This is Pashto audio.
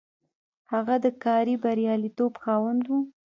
هغه د کاري برياليتوب خاوند و.